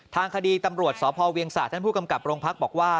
ทางคดีตำรวจสพเวียงศาสท่านผู้กำกับโรงพักบอกว่า